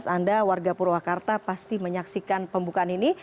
anda warga purwakarta pasti menyaksikan pembukaan ini